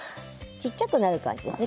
小っちゃくなる感じですね。